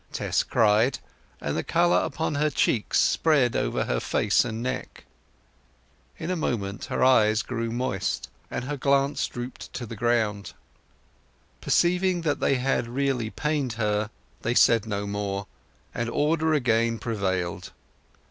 Tess cried, and the colour upon her cheeks spread over her face and neck. In a moment her eyes grew moist, and her glance drooped to the ground. Perceiving that they had really pained her they said no more, and order again prevailed.